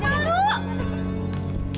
udah masuk aja masuk masuk masuk